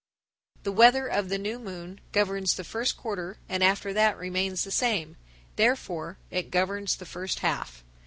_ 1000. The weather of the new moon governs the first quarter and after that remains the same; therefore it governs the first half.